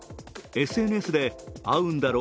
ＳＮＳで会うんだろ？